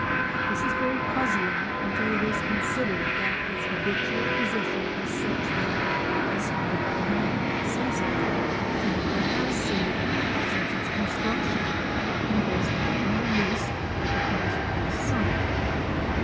This is very puzzling until it is considered that its habitual position is such that the spider never sees it. She never has seen it since its construction, and does not in the least recognise it by sight.